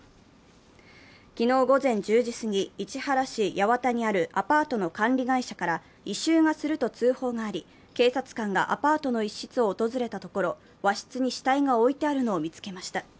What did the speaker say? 昨日午前１０時過ぎ市原市八幡にあるアパートの管理会社から異臭がすると通報があり警察官がアパートの一室を訪れたところ、和室に死体が置いてあるのが見つかりました。